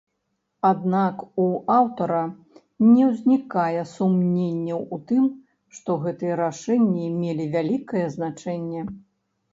Аднак у аўтара не ўзнікае сумненняў у тым, што гэтыя рашэнні мелі вялікае значэнне.